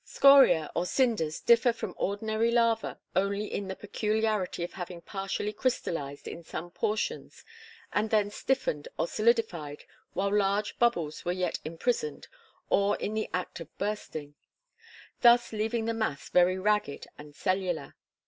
] Scoria or cinders differ from ordinary lava only in the peculiarity of having partially crystallized in some portions and then stiffened or solidified while large bubbles were yet imprisoned or in the act of bursting; thus leaving the mass very ragged and cellular.